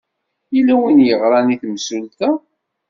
Yella win yeɣran i temsulta?